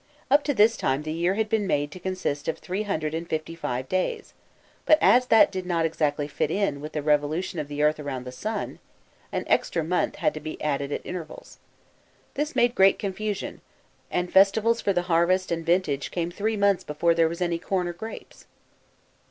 Up to this time the year had been made to consist of three hundred and fifty five days ; but as that did not exactly fit in, with the revolu tion of the earth round the sun, an extra month, had to be added at intervals. This made great confusion, arid festivals for the harvest and vintage came three months before there was any corn or grapes.